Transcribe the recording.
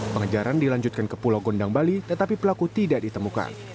pengejaran dilanjutkan ke pulau gondang bali tetapi pelaku tidak ditemukan